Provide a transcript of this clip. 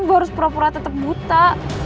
gue harus pura pura tetap buta